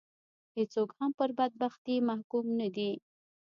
هېڅوک هم پر بدبختي محکوم نه دي.